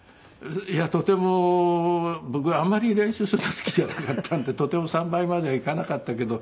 いやとても僕あんまり練習するの好きじゃなかったんでとても３倍まではいかなかったけど。